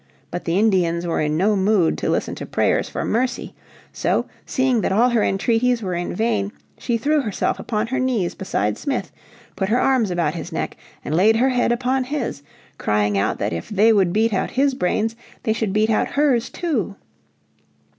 But the Indians were in no mood to listen to prayers for mercy. So seeing that all her entreaties were in vain she threw herself upon her knees beside Smith, put her arms about his neck, and laid her head upon his, crying out that if they would beat out his brains they should beat hers out too.